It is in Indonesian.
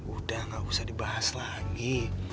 udah gak usah dibahas lagi